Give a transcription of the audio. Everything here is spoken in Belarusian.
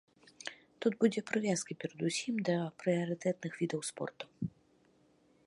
Тут будзе прывязка перадусім да прыярытэтных відаў спорту.